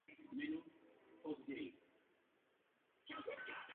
Na halovém mistrovství Evropy v Göteborgu získala stříbrnou medaili.